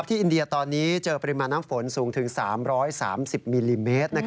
อินเดียตอนนี้เจอปริมาณน้ำฝนสูงถึง๓๓๐มิลลิเมตร